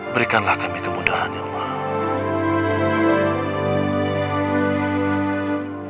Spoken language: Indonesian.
berikanlah kami kemudahan ya allah